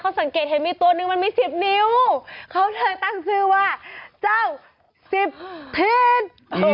เขาสังเกตเห็นมีตัวนึงมันมีสิบนิ้วเขาเพิ่งตั้งชื่อว่าเจ้าสิบทิส